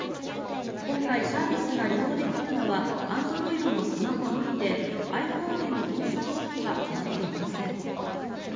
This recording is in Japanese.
今回、サービスが利用できるのはＡｎｄｒｏｉｄのスマホのみでｉＰｈｏｎｅへの搭載時期は決まっていません。